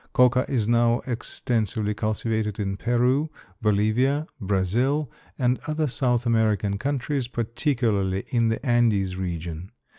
Coca is now extensively cultivated in Peru, Bolivia, Brazil, and other South American countries, particularly in the Andes region.